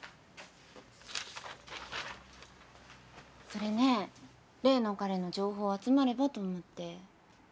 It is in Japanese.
それね例の彼の情報集まればと思って。